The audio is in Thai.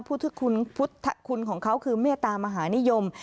พุทธคุณของเขาคือเมตตามหานิยม